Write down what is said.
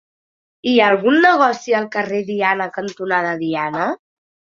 Hi ha algun negoci al carrer Diana cantonada Diana?